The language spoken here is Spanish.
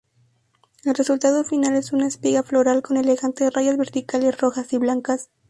El resultado final es una espiga floral con elegantes rayas verticales rojas y blancas.